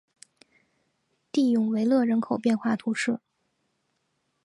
蒂永维勒人口变化图示